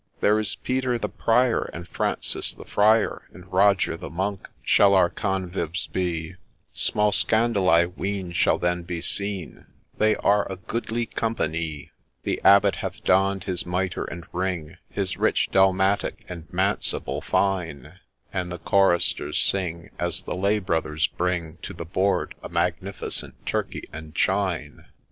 ' There is Peter the Prior, and Francis the Friar, And Roger the Monk shall our convives be ; Small scandal I ween shall then be seen ; They are a goodly companie 1 ' The Abbot hath donn'd his mitre and ring, His rich dalmatic, and maniple fine ; And the choristers sing, as the lay brothers bring To the board a magnificent turkey and chine.